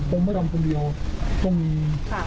คงไม่ทำคนเดียวต้องมี